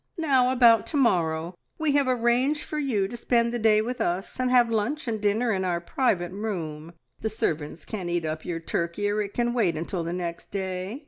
"Now about to morrow! We have arranged for you to spend the day with us, and have lunch and dinner in our private room. The servants can eat up your turkey, or it can wait until the next day.